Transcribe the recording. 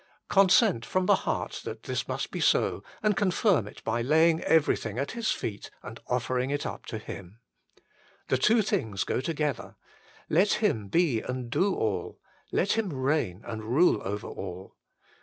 Consent from the heart that this must be so, and confirm it by laying everything at His feet and offering it up to Him. The two things go together : let Him be and do all ; let Him reign and rule over all.